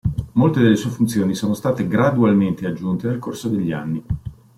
Molte delle sue funzioni sono state gradualmente aggiunte nel corso degli anni.